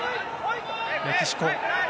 メキシコ。